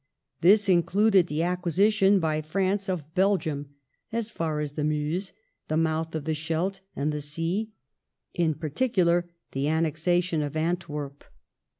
This included the acquisition by France of Belgium "as far as the Meuse, the mouth of the Scheldt, and the Sea," in particular the annexation of Antwerp.